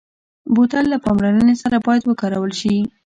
بوتل له پاملرنې سره باید وکارول شي.